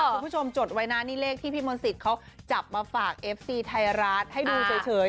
คุณผู้ชมจดไว้นะนี่เลขที่พี่มนต์สิทธิ์เขาจับมาฝากเอฟซีไทยรัฐให้ดูเฉย